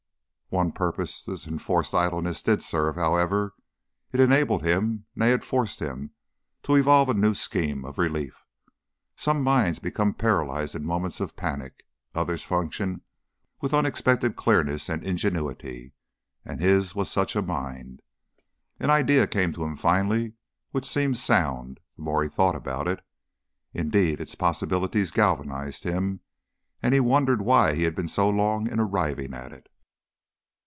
One purpose this enforced idleness did serve, however; it enabled him nay, it forced him to evolve a new scheme of relief. Some minds become paralyzed in moments of panic, others function with unexpected clearness and ingenuity, and his was such a mind. An idea came to him, finally, which seemed sound, the more he thought about it. Indeed, its possibilities galvanized him, and he wondered why he had been so long in arriving at it.